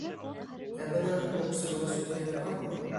— Ә бына бокс философияһы бармы?